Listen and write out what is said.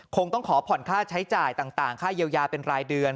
คงต้องขอผ่อนค่าใช้จ่ายต่างค่าเยียวยาเป็นรายเดือน